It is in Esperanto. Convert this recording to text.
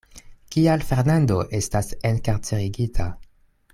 Kial Fernando estas enkarcerigita?